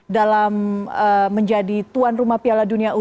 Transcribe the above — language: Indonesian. dalam menjadi tuan rumah piala dunia u dua puluh